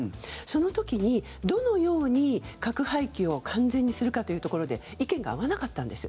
その時に、どのように核廃棄を完全にするかというところで意見が合わなかったんです。